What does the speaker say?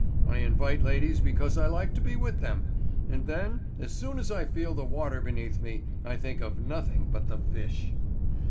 I invite ladies because I like to be with them, and then, as soon as I feel the water beneath me, I think of nothing but the fish."